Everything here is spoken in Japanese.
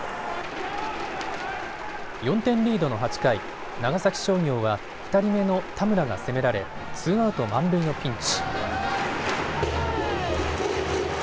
４点リードの８回、長崎商業は２人目の田村が攻められツーアウト満塁のピンチ。